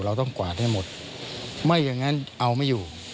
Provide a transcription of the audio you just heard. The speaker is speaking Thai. เราต้องกวาดให้หมดไม่อย่างนั้นเอาไม่อยู่